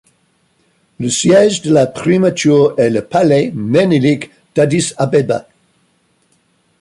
Le siège de la primature est le palais Ménélik d'Addis-Abeba.